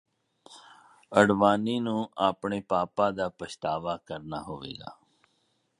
ਅਡਵਾਨੀ ਨੂੰ ਆਪਣੇ ਪਾਪਾਂ ਦਾ ਪਛਤਾਵਾ ਕਰਨਾ ਹੋਵੇਗਾ